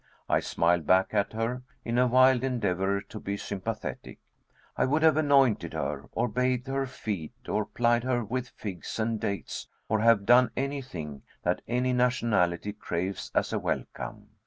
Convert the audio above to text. I smiled back at her, in a wild endeavor to be sympathetic. I would have anointed her, or bathed her feet, or plied her with figs and dates, or have done anything that any nationality craves as a welcome.